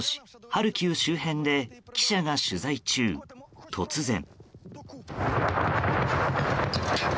ハルキウ周辺で記者が取材中、突然。